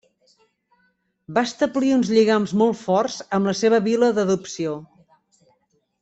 Va establir uns lligams molt forts amb la seva vila d'adopció.